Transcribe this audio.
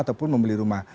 ataupun membeli rumah